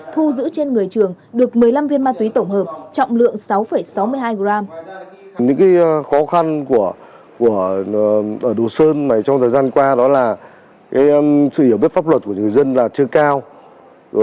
thu giữ trên người trường được một mươi năm viên ma túy tổng hợp trọng lượng sáu sáu mươi hai gram